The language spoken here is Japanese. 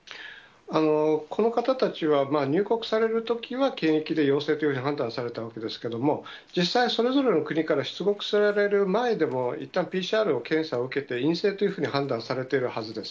この方たちは、入国されるときは検疫で陽性というふうに判断されたわけですけれども、実際はそれぞれの国から出国される前でも、いったんＰＣＲの検査を受けて、陰性というふうに判断されてるはずです。